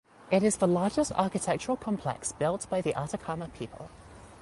It is the largest architectural complex built by the Atacama people.